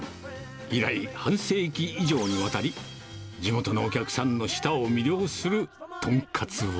以来、半世紀以上にわたり、地元のお客さんの舌を魅了する豚カツは。